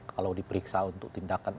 kalau diperiksa untuk tindakan